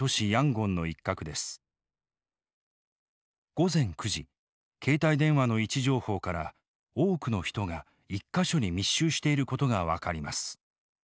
午前９時携帯電話の位置情報から多くの人が１か所に密集していることが分かります。